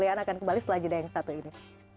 kita harus jadikan kembali selanjutnya yang satu ini